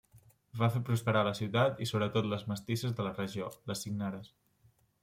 Va fer prosperar la ciutat, i sobretot les mestisses de la regió, les signares.